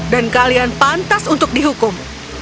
dan kalian pantas untuk dihukum